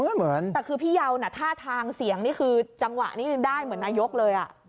เหมือนแต่คือพี่เยาน่ะท่าทางเสียงนี่คือจังหวะนี้ได้เหมือนนายกเลย